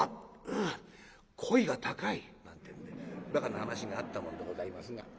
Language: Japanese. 「うんこいが高い」なんてんでバカな噺があったもんでございますが。